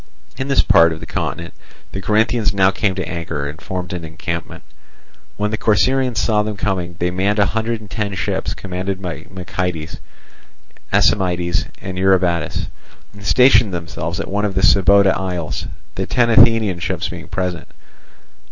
In this part of the continent the Corinthians now came to anchor, and formed an encampment. When the Corcyraeans saw them coming, they manned a hundred and ten ships, commanded by Meikiades, Aisimides, and Eurybatus, and stationed themselves at one of the Sybota isles; the ten Athenian ships being present.